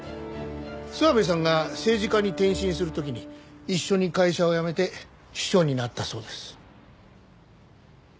諏訪部さんが政治家に転身する時に一緒に会社を辞めて秘書になったそうです。